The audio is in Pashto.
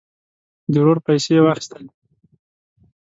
د ورور پیسې یې واخیستلې.